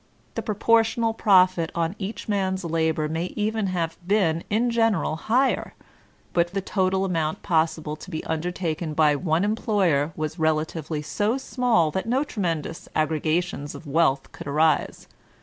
The proportional profit on each man's hbor may even have been in general higher, but the total amount possible to be undertaken by one employer was relatively so small that no tremendous aggrq; ations of wealth could arise.